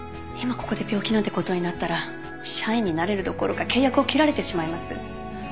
今ここで病気なんてことになったら社員になれるどころか契約を切られてしまいます。